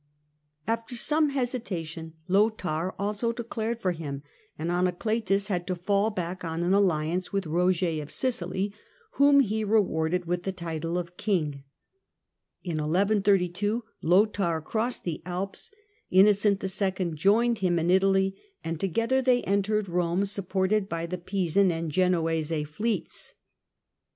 After some hesitation, Lothair also declared for him, and Anacletus had to fall back on an alliance with Eoger of Sicily, whom he rewarded with the title of King. In 1132 Lothair crossed the Alps. Innocent II. joined him in Italy, and together they entered Eome, supported by the Pisan and Genoese fleets.